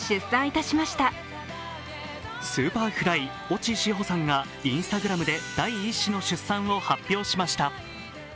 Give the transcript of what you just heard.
Ｓｕｐｅｒｆｌｙ・越智志帆さんがＩｎｓｔａｇｒａｍで第１子の出産を発表しました。